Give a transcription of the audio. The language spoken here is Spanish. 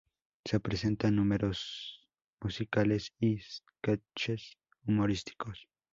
Se presentan números musicales y sketches humorísticos.